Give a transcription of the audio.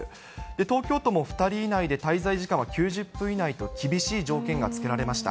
東京都も２人以内で滞在時間は９０分以内と厳しい条件がつけられました。